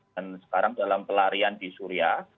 dan sekarang dalam pelarian di syria